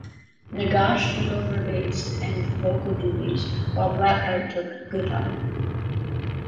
Nagash took over bass and vocal duties while Blackheart took guitar.